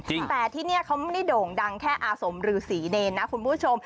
แต่ที่นี่เขาไม่ได้โด่งดังแค่อาสมฤษีเนรนะคุณผู้ชม